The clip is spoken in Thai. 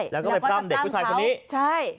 แล้วก็ไปพร่ำเด็กผู้ชายคนนี้ใช่